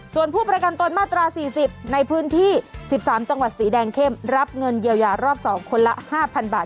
ส่วนผู้ประกันตนมาตรา๔๐ในพื้นที่๑๓จังหวัดสีแดงเข้มรับเงินเยียวยารอบ๒คนละ๕๐๐บาท